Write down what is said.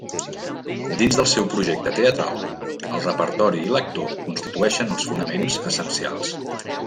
Dins del seu projecte teatral, el repertori i l'actor constitueixen els fonaments essencials.